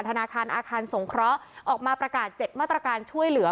ธนาคารอาคารสงเคราะห์ออกมาประกาศ๗มาตรการช่วยเหลือ